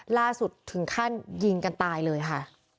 ล่าสุดถึงขั้นยิงกันตายเลยค่ะ